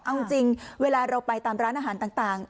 เอาจริงเวลาเราไปตามร้านอาหารต่าง